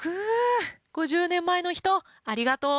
５０年前の人、ありがとう。